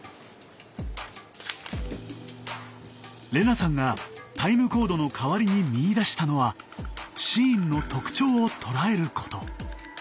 玲那さんがタイムコードの代わりに見いだしたのはシーンの特徴を捉えること。